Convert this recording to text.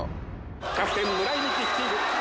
キャプテン村井美樹率いる